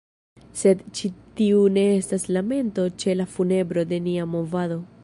Sed ĉi tiu ne estas lamento ĉe la funebro de nia movado.